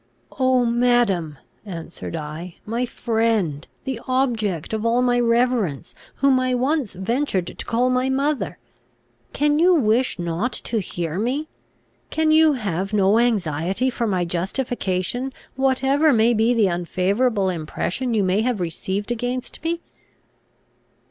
"Oh, madam," answered I, "my friend! the object of all my reverence! whom I once ventured to call my mother! can you wish not to hear me? Can you have no anxiety for my justification, whatever may be the unfavourable impression you may have received against me?"